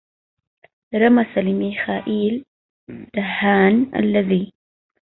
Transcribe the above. رمس ليمخائيل دهان الذي